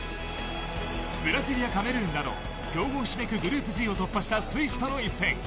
ブラジルやカメルーンなど強豪ひしめくグループＧを突破したスイスとの一戦。